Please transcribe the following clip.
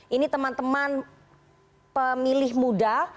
ini teman teman pemilih muda